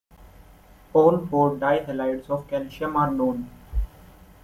All four dihalides of calcium are known.